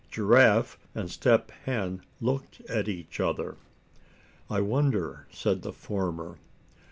Giraffe and Step Hen looked at each other. "I wonder," said the former.